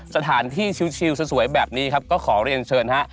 สถานที่ชิลสวยแบบนี้ครับก็ขอเรียนเชิญฮะ